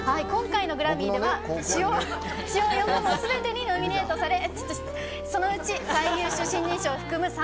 今回のグラミーでは主要４部門すべてにノミネートされそのうち最優秀新人賞を含む